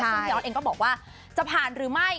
ซึ่งพี่ยอดเองก็บอกว่าจะผ่านหรือไม่